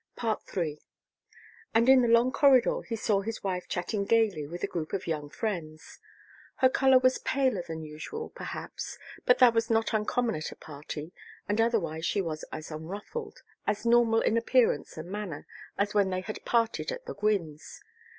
III And in the corridor he saw his wife chatting gayly with a group of young friends. Her color was paler than usual, perhaps, but that was not uncommon at a party, and otherwise she was as unruffled, as normal in appearance and manner, as when they had parted at the Gwynnes'.